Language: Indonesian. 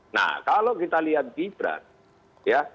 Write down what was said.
nah kalau kita lihat kiprah